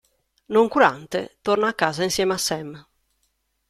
Noncurante, torna a casa insieme a Sam.